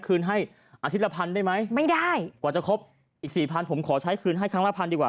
คืนให้อาทิตย์ละพันได้ไหมไม่ได้กว่าจะครบอีกสี่พันผมขอใช้คืนให้ครั้งละพันดีกว่า